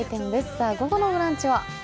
さあ、午後の「ブランチ」は？